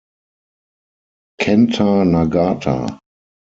Kenta Nagata